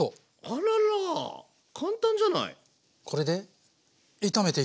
あらら簡単じゃない。